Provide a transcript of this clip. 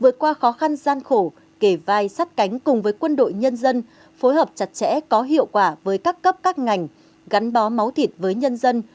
vượt qua khó khăn gian khổ kề vai sát cánh cùng với quân đội nhân dân phối hợp chặt chẽ có hiệu quả với các cấp các ngành gắn bó máu thịt với nhân dân